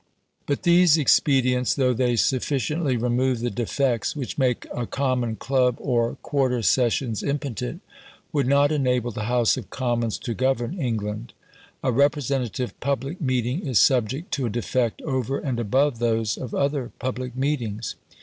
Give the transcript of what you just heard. But these expedients, though they sufficiently remove the defects which make a common club or quarter sessions impotent, would not enable the House of Commons to govern England. A representative public meeting is subject to a defect over and above those of other public meetings.